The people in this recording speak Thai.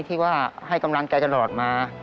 ที่ว่าให้กำลังกลยาทั้งหมดมา